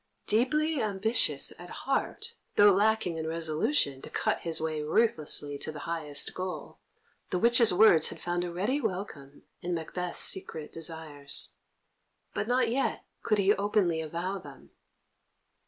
Deeply ambitious at heart, though lacking in resolution to cut his way ruthlessly to the highest goal, the witches' words had found a ready welcome in Macbeth's secret desires. But not yet could he openly avow them.